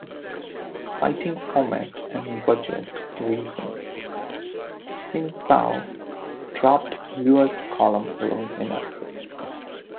Citing format and budget reasons, Sing Pao dropped Lau's column alone in April.